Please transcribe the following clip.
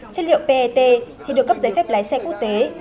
chất liệu pet thì được cấp giấy phép lái xe quốc tế